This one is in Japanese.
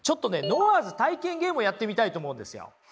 ノワーズ体験ゲームをやってみたいと思うんですよ。